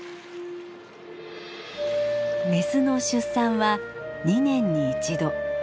メスの出産は２年に一度。